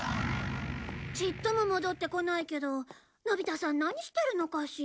ちっとも戻ってこないけどのび太さん何してるのかしら？